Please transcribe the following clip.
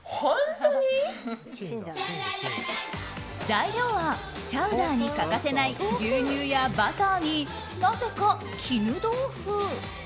材料はチャウダーに欠かせない牛乳やバターに、なぜか絹豆腐。